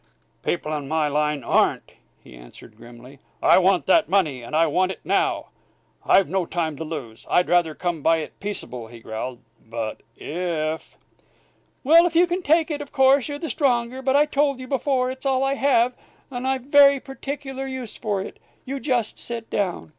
"People in my line ain't," he answered, grimly. "I want that money! and I want it now! I've no time to lose. I'd rather come by it peaceable," he growled, "but if " "Well, you can take it; of course, you're the stronger. But I told you before, it's all I have, and I've very particular use for it. You just sit down!"